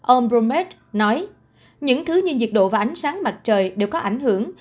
ông romet nói những thứ như nhiệt độ và ánh sáng mặt trời đều có ảnh hưởng